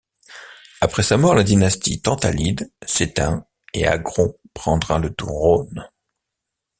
Après sa mort, la dynastie Tantalide s’éteint et Agron prendra le trône.